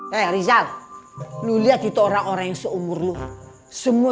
hai rizal lu lihat itu orang orang seumur lu semua